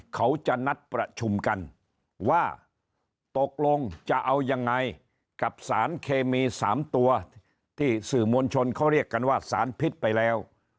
เขาจะนัดประชุมกันว่าตกลงจะเอายังไงกับสารเคมี๓ตัวที่สื่อมวลชนเขาเรียกกันว่าสารพิษไปแล้ว